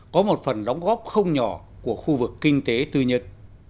có một phần đóng góp không nhỏ của khu vực kinh tế từ nhật